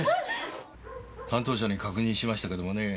担当者に確認しましたけどもねぇ